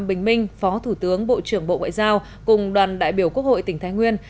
bình minh phó thủ tướng bộ trưởng bộ ngoại giao cùng đoàn đại biểu quốc hội tỉnh thái nguyên